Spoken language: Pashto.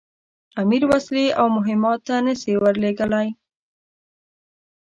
امیر وسلې او مهمات نه سي ورلېږلای.